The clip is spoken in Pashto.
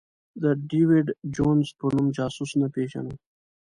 د ډېویډ جونز په نوم جاسوس نه پېژنو.